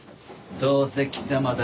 どうせ貴様だろ？